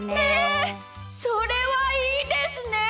それはいいですね！